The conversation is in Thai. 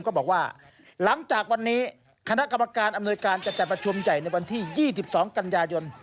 ก็บอกว่าหลังจากวันนี้คณะกรรมการอำนวยการจะจัดประชุมใหญ่ในวันที่๒๒กันยายน